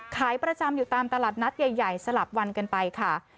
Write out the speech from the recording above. ประจำอยู่ตามตลาดนัดใหญ่สลับวันกันไปค่ะ